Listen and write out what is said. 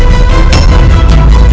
sampai tertawa itu sendiri